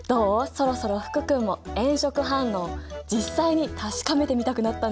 そろそろ福君も炎色反応実際に確かめてみたくなったんじゃない？